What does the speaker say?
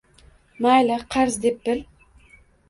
Mayli, qarz deb bil